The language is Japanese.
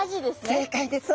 正解です。